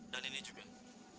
dan ini juga